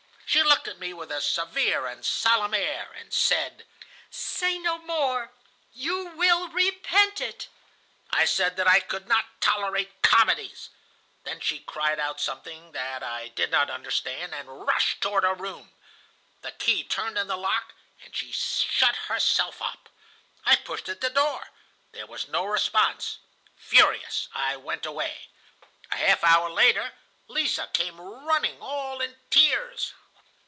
She looked at me with a severe and solemn air, and said: 'Say no more. You will repent it.' I said that I could not tolerate comedies. Then she cried out something that I did not understand, and rushed toward her room. The key turned in the lock, and she shut herself up. I pushed at the door. There was no response. Furious, I went away. "A half hour later Lise came running all in tears.